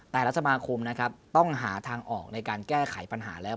แต่ละสมาคมนะครับต้องหาทางออกในการแก้ไขปัญหาแล้ว